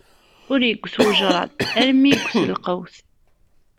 Ur igget ujṛad armi igget lqewt.